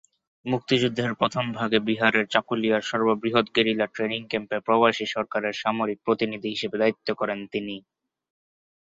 মুক্তিযুদ্ধের প্রথম ভাগে বিহারের চাকুলিয়ায় সর্ববৃহৎ গেরিলা ট্রেনিং ক্যাম্পে প্রবাসী সরকারের সামরিক প্রতিনিধি হিসেবে দায়িত্ব করেন তিনি।